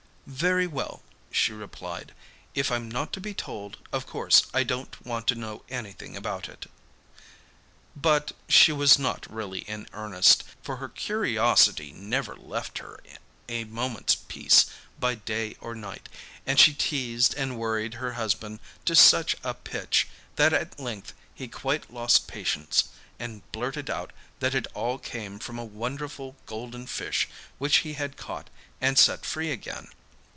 'Very well,' she replied, 'if I'm not to be told, of course I don't want to know anything about it.' But she was not really in earnest, for her curiosity never left her a moment's peace by day or night, and she teazed and worried her husband to such a pitch, that at length he quite lost patience and blurted out that it all came from a wonderful golden fish which he had caught and set free again.